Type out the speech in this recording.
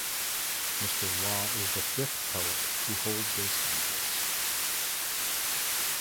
Mr. Wah is the fifth poet to hold this office.